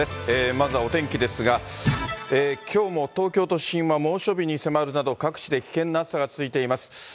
まずはお天気ですが、きょうも東京都心は猛暑日に迫るなど、各地で危険な暑さが続いています。